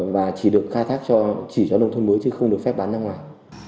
và chỉ được khai thác cho nông thôn mới chứ không được phép bán ra ngoài